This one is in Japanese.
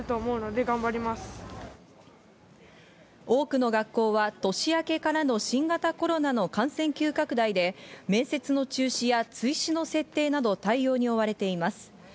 多くの学校は年明けからの新型コロナの感染急拡大で面接の中止や追試の設定など対応に追われています。